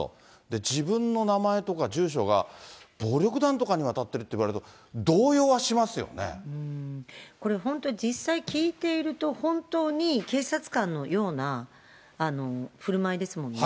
自分の名前とか住所が暴力団とかに渡ってるって言われたら、動揺これ、本当に実際聞いていると、本当に警察官のようなふるまいですもんね。